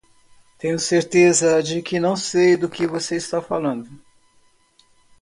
Tenho certeza que não sei do que você está falando!